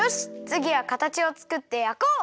つぎはかたちをつくってやこう！